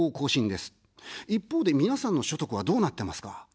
一方で、皆さんの所得はどうなってますか。